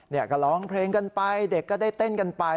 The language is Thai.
เนี่ยก็ร้องเพลงกันไปเด็กก็ได้เต้นกันไป